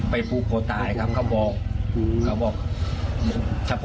ไม่ยอมไม่ยอมไม่ยอมไม่ยอม